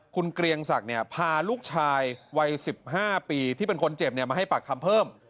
คุณเกรียงศักดิ์พาลูกชายวัย๑๕ปีที่เป็นคนเจ็บมาให้ปากคำเพิ่ม